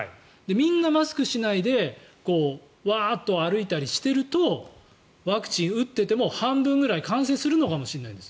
みんなマスクしないでワーッと歩いたりしてるとワクチンを打っていても半分ぐらい感染するのかもしれないです。